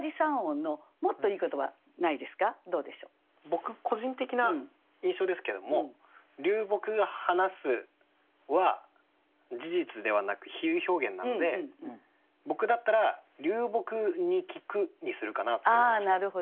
僕個人的な印象ですけども「流木が話す」は事実ではなく比喩表現なので僕だったら「流木に聞く」にするかなって思いました。